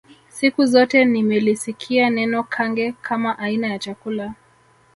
Siku zote nimelisikia neno Kange kama aina ya chakula